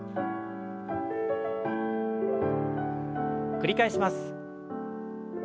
繰り返します。